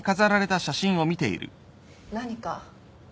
何か？